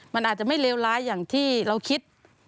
มันอาจจะไม่เลวร้ายอย่างที่เราคิด